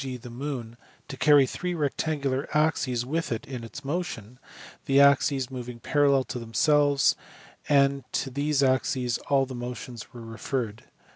g. the moon, to carry three rectangular axes with it in its motion, the axes moving parallel to themselves, and to these axes all the motions were referred.